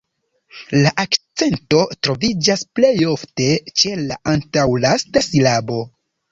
La akcento troviĝas plej ofte ĉe la antaŭlasta silabo.